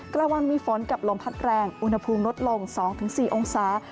กลางวันมีฝนกับลมพัดแรงอุณหภูมิลดลง๒๔องศา